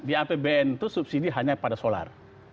di apbn itu subsidi hanya pada solar